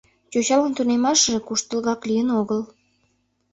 Йочалан тунемашыже куштылгак лийын огыл.